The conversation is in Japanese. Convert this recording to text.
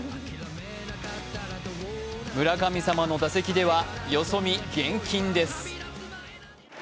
村神様の打席ではよそ見厳禁です。